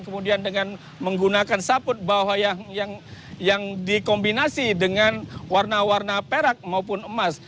kemudian dengan menggunakan saput bawah yang dikombinasi dengan warna warna perak maupun emas